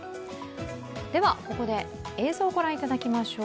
では、ここで映像をご覧いただきましょう。